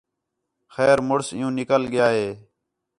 خیر مُڑس عیوں نِکل ڳِیا ہِے